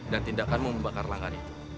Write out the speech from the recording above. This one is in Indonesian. dan tindakanmu membakar langgar itu